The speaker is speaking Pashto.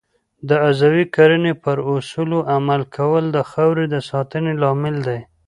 د عضوي کرنې پر اصولو عمل کول د خاورې د ساتنې لامل دی.